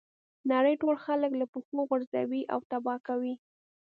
نړۍ ټول خلک له پښو غورځوي او تباه کوي.